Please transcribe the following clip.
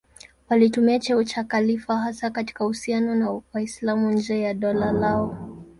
Walitumia cheo cha khalifa hasa katika uhusiano na Waislamu nje ya dola lao.